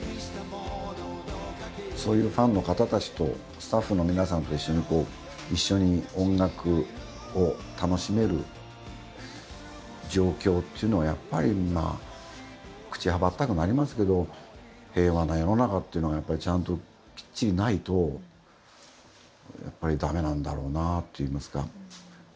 そういうファンの方たちとスタッフの皆さんと一緒に一緒に音楽を楽しめる状況っていうのはやっぱりまあ口はばったくなりますけど平和な世の中っていうのがちゃんときっちりないとやっぱりだめなんだろうなあっていいますか。